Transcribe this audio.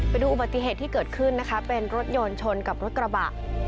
ไปดูอุบัติเหตุที่เกิดขึ้นนะคะเป็นรถยนต์ชนกับรถกระบะ